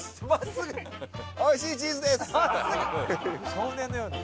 少年のような。